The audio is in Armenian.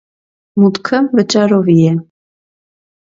Մուտքը վճարովի է։